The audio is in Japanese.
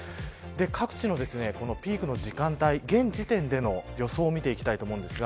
各地のピークの時間帯現時点での予想を見ていきます。